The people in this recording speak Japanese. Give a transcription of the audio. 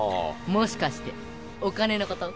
もしかしてお金のこと？